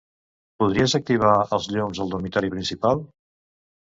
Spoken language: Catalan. Podries activar els llums al dormitori principal?